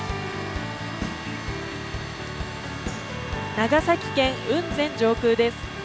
長崎県、雲仙上空です。